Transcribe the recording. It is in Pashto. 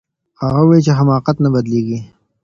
هغه وویل چي حماقت نه بدلیږي.